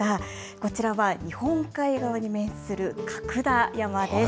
こちらは、日本海側に面する角田山です。